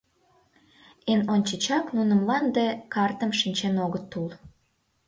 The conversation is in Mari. Эн ончычак нуно мланде картым шинчен огыт ул.